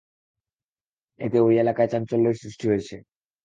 এতে ওই এলাকায় চাঞ্চল্যের সৃষ্টি হয়েছে।